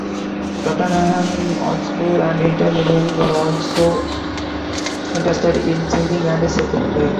Tottenham Hotspur and Inter Milan were also interested in signing the Celtic player.